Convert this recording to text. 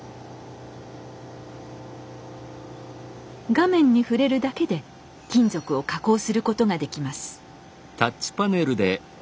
画面に触れるだけで金属を加工することができます。